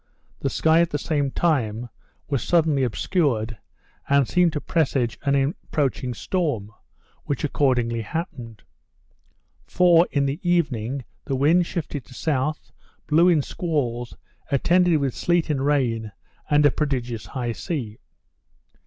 The sky, at the same time, was suddenly obscured, and seemed to presage an approaching storm, which accordingly happened. For, in the evening, the wind shifted to south, blew in squalls, attended with sleet and rain, and a prodigious high sea.